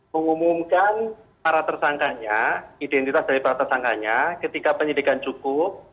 mengumumkan para tersangkanya identitas dari para tersangkanya ketika penyidikan cukup